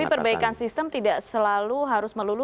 tapi perbaikan sistem tidak selalu harus melulu